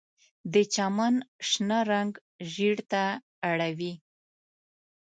د چمن شنه رنګ ژیړ ته اړوي